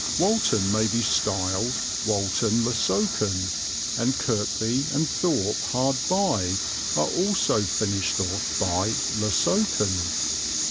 Walton may be styled Walton le Soken, and Kirkby and Thorpe hard by are also finished off by "le Soken."